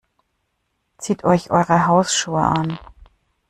Zieht euch eure Hausschuhe an.